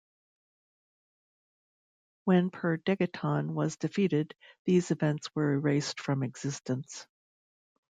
When Per Degaton was defeated, these events were erased from existence.